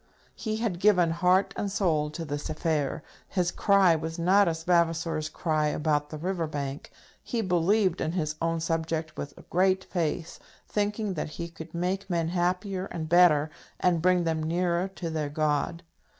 He had given heart and soul to this affair. His cry was not as Vavasor's cry about the River Bank. He believed in his own subject with a great faith, thinking that he could make men happier and better, and bring them nearer to their God.